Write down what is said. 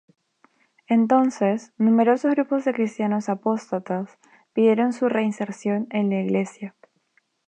Entonces, numerosos grupos de cristianos apóstatas pidieron su reinserción en la Iglesia.